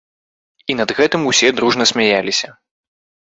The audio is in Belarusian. І над гэтым усе дружна смяяліся.